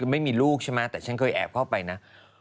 คือไม่มีลูกใช่ไหมแต่ฉันเคยแอบเข้าไปนะ